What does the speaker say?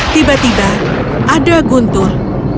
tiba tiba ada guntur